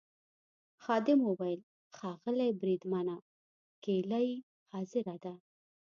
خادم وویل: ښاغلی بریدمنه کیلۍ حاضره ده.